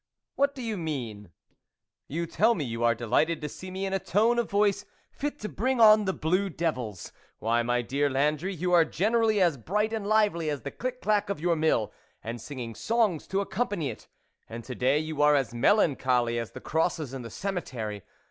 " What do you mean ?"" You tell me you are delighted to see me in a tone of voice fit to bring on the blue devils. Why, my dear Landry, you are generally as bright and lively as the click clack of your mill, and singing songs to accompany it, and to day you are as melancholy as the crosses in the cemetery.